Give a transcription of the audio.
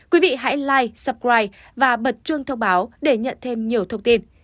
quý vị hãy like subscribe và bật chuông thông báo để nhận thêm nhiều thông tin